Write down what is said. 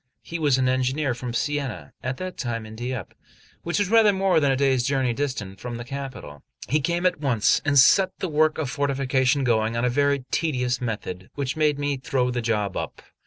He was an engineer from Siena, at that time in Dieppe, which is rather more than a day's journey distant from the capital. He came at once, and set the work of fortification going on a very tedious method, which made me throw the job up.